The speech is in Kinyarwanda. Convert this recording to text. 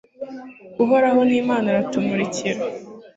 Uhoraho ni Imana aratumurikira